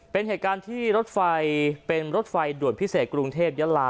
เป็นเหตุการณ์ที่รถไฟเป็นรถไฟด่วนพิเศษกรุงเทพยาลา